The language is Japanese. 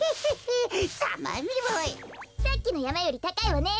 さっきのやまよりたかいわね。